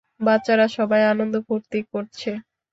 বাচ্চারা সবাই আনন্দ-ফুর্তি করছে।